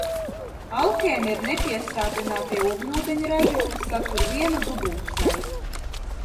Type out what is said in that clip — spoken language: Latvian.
Alkēni ir nepiesātinātie ogļūdeņraži, kas satur vienu dubultsaiti.